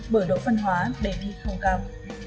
bởi độ phân hóa đề thi không cao